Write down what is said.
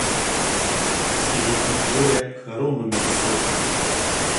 Середи поля хоромами высокими